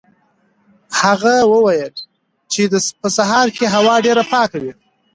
هغه وایي چې په سهار کې هوا ډېره پاکه وي.